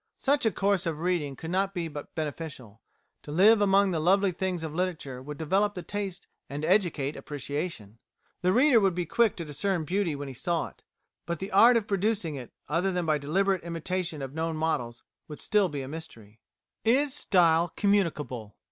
Such a course of reading could not but be beneficial; to live among the lovely things of literature would develop the taste and educate appreciation; the reader would be quick to discern beauty when he saw it, but the art of producing it other than by deliberate imitation of known models would be still a mystery. Is style communicable?